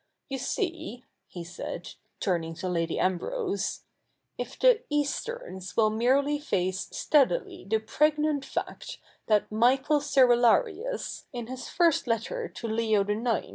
Vou see,' he said, turning to Lady Ambrose, ' if the Easterns will merely face steadily the pregnant fact that Michael Cerularius, in his first letter to Leo IX.